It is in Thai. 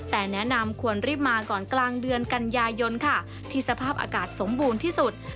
แต่แนะนำควรรีบมาก่อนกลางเดือนกันยายนค่ะที่สภาพอากาศสมบูรณ์ที่สุด